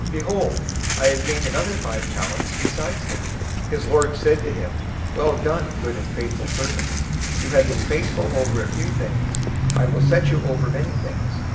Behold, I have gained another five talents besides them.' 025:021 "His lord said to him, 'Well done, good and faithful servant. You have been faithful over a few things, I will set you over many things.